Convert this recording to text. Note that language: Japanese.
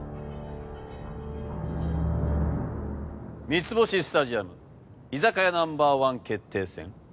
『三ツ星スタジアム』居酒屋ＮＯ．１決定戦。